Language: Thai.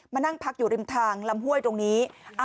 มานั่งพักอยู่ริมทางลำห้วยตรงนี้